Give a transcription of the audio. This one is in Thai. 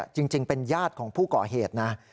จริงเป็นญาติของผู้ก่อเหตุนะ